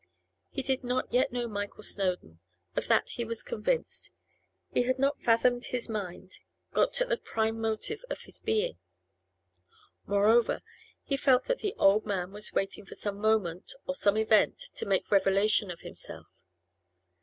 He did not yet know Michael Snowdon; of that he was convinced. He had not fathomed his mind, got at the prime motive of his being. Moreover, he felt that the old man was waiting for some moment, or some event, to make revelation of himself.